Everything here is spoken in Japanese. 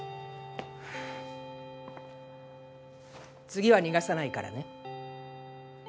次は逃がさないからね。